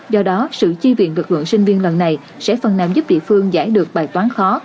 do đó sự chi viện lực lượng sinh viên lần này sẽ phần nào giúp địa phương giải được bài toán khó